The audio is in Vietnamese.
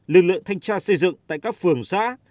lực lượng thanh tra xây dựng tại các phường xã